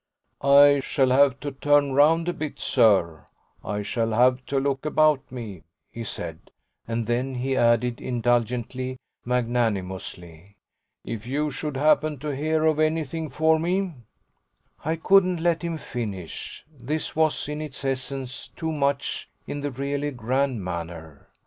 "I shall have to turn round a bit, sir I shall have to look about me," he said; and then he added indulgently, magnanimously: "If you should happen to hear of anything for me " I couldn't let him finish; this was, in its essence, too much in the really grand manner.